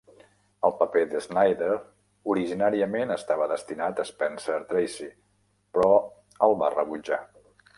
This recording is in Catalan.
El paper d'Snyder originàriament estava destinat a Spencer Tracy, però el va rebutjar.